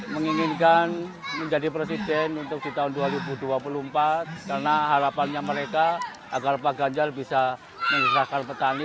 menginginkan menjadi presiden untuk di tahun dua ribu dua puluh empat karena harapannya mereka agar pak ganjar bisa menyusahkan petani